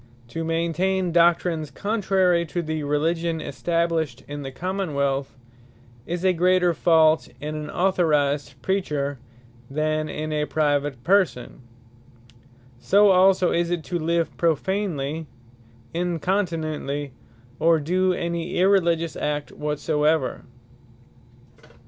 To maintain doctrines contrary to the Religion established in the Common wealth, is a greater fault, in an authorised Preacher, than in a private person: So also is it, to live prophanely, incontinently, or do any irreligious act whatsoever.